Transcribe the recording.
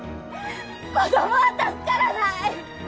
子供は助からない！